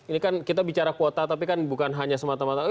ini kan kita bicara kuota tapi kan bukan hanya semata mata